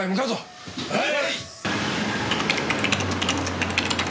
はい！